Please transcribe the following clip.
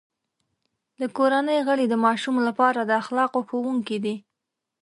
د کورنۍ غړي د ماشوم لپاره د اخلاقو ښوونکي دي.